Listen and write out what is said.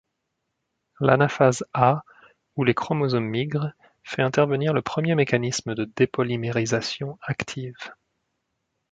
L'anaphase A, où les chromosomes migrent, fait intervenir le premier mécanisme de dépolymérisation active.